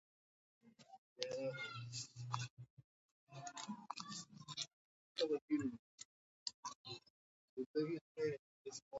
پکتیکا د افغانستان د ښکلي طبیعت یوه خورا مهمه برخه ده.